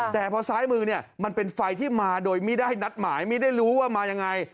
แต่พอซ้ายมือเนี่ยมันเป็นไฟที่มาโดยไม่ได้นัดหมายไม่ได้รู้ว่ามายังไง